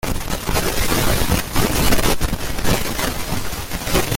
Favoreció la creación de pueblos y hospitales.